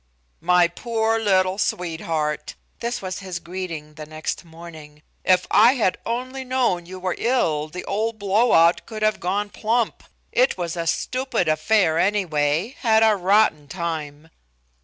"My poor little sweetheart!" This was his greeting the next morning. "If I had only known you were ill the old blow out could have gone plump. It was a stupid affair, anyway. Had a rotten time."